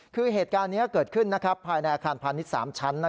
คือเหตุการณ์นี้เกิดขึ้นภายในอาคารพาณิชย์๓ชั้น